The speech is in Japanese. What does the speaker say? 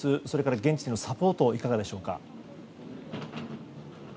それから現地のサポートはいかがでしょうか。